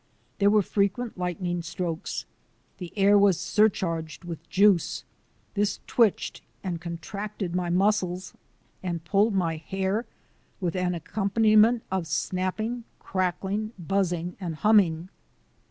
There were frequent lightning strokes. The air was surcharged with juice. This twitched and contracted my muscles and pulled my hair with an accompaniment of snapping, crackling, buzzing, and humming.